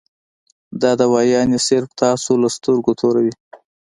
دا دوايانې صرف تاسو له سترګې توروي -